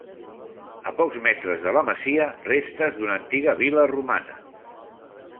A pocs metres de la masia restes d'una antiga vil·la romana.